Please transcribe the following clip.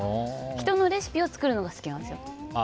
人のレシピを作るのが好きなんですよ。